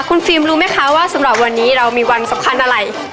คุณฟิล์มรู้ไหมคะว่าสำหรับวันนี้เรามีวันสำคัญอะไร